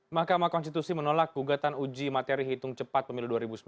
mahkamah konstitusi menolak gugatan uji materi hitung cepat pemilu dua ribu sembilan belas